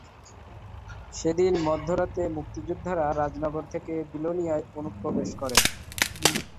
সেদিন মধ্যরাতে মুক্তিযোদ্ধারা রাজনগর থেকে বিলোনিয়ায় অনুপ্রবেশ করেন।